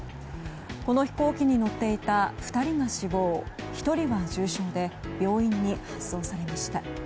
この飛行機に乗っていた２人が死亡、１人が重傷で病院に搬送されました。